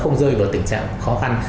không rơi vào tình trạng khó khăn